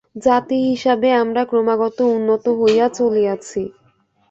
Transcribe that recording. জাতি হিসাবে আমরা ক্রমাগত উন্নত হইয়া চলিয়াছি।